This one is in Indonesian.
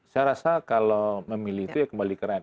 saya rasa kalau memilih itu ya kembali ke rakyat